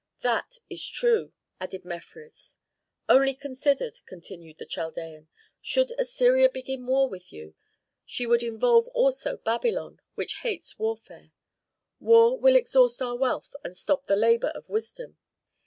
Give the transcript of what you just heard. '" "That is true!" added Mefres. "Only consider," continued the Chaldean, "should Assyria begin war with you, she would involve also Babylon, which hates warfare. War will exhaust our wealth and stop the labor of wisdom.